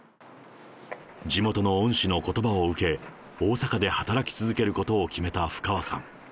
地元の恩師のことばを受け、大阪で働き続けることを決めた布川さん。